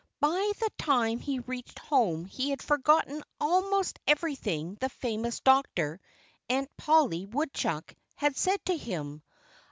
By the time he reached home he had forgotten almost everything the famous doctor, Aunt Polly Woodchuck, had said to him.